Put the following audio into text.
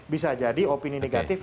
bisa jadi opini negatif